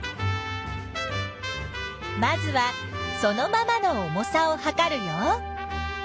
まずはそのままの重さをはかるよ。